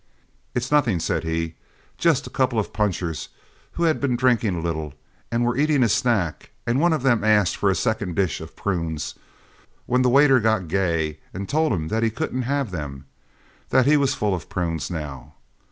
"It's nothing," said he; "just a couple of punchers, who had been drinking a little, were eating a snack, and one of them asked for a second dish of prunes, when the waiter got gay and told him that he couldn't have them, 'that he was full of prunes now.'